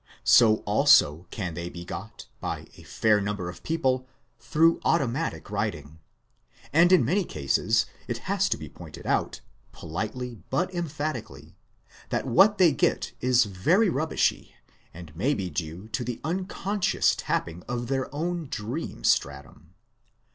So also can they be got, by a fair number of people, through automatic writing. And in many cases it has to be pointed out, politely but emphati cally, that what they get is very rubbishy, and may be due to the unconscious tapping of their own dream stratum.